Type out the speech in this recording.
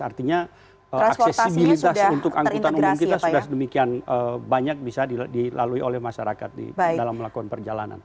artinya aksesibilitas untuk angkutan umum kita sudah sedemikian banyak bisa dilalui oleh masyarakat dalam melakukan perjalanan